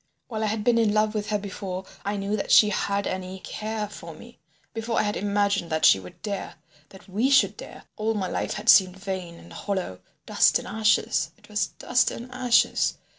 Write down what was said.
While I had been in love with her before I knew that she had any care for me, before I had imagined that she would dare—that we should dare, all my life had seemed vain and hollow, dust and ashes. It was dust and ashes.